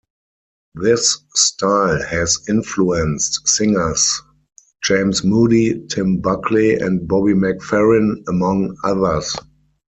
This style has influenced singers James Moody, Tim Buckley and Bobby McFerrin, among others.